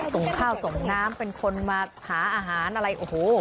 ส่งข้าวส่งน้ำเป็นคนมาหาอาหารอะไรโอ้โห